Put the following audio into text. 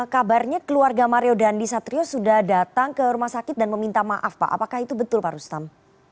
kabarnya keluarga mario dandi satrio sudah datang ke rumah sakit dan meminta maaf pak apakah itu betul pak rustam